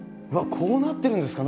こうなってるんですか？